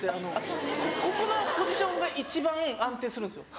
ここのポジションが一番安定するんですよ。